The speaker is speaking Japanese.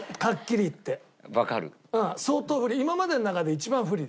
今までの中で一番不利です。